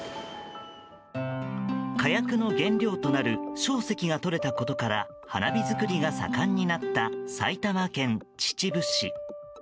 火薬の原料となる硝石が取れたことから花火作りが盛んになった埼玉県秩父市。